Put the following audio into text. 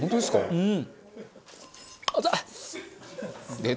うん。